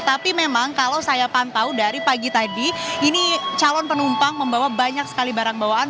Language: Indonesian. tapi memang kalau saya pantau dari pagi tadi ini calon penumpang membawa banyak sekali barang bawaan